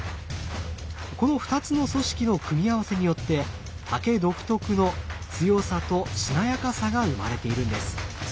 この２つの組織の組み合わせによって竹独特の強さとしなやかさが生まれているんです。